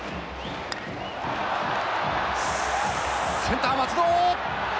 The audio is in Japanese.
センター松堂！